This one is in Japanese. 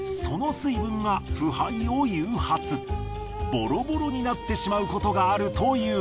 ボロボロになってしまうことがあるという。